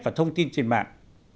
và thông tin trên mạng